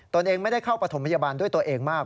เองไม่ได้เข้าประถมพยาบาลด้วยตัวเองมาก